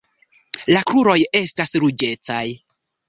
La kruroj estas ruĝecaj.